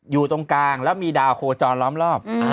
อยู่ตรงกลางแล้วมีดาวโคจรล้อมรอบ